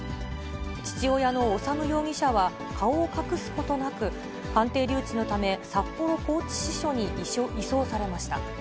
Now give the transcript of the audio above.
父親の修容疑者は、顔を隠すことなく、鑑定留置のため、札幌拘置支所に移送されました。